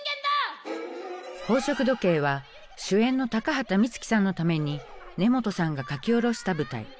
「宝飾時計」は主演の高畑充希さんのために根本さんが書き下ろした舞台。